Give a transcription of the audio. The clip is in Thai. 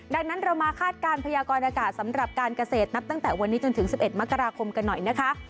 ดังนั้นเรามาคาดการณ์พยากรอากาศสำหรับการเกษตรนับตั้งแต่วันนี้จนถึง๑๑มกราคมกันหน่อยนะคะ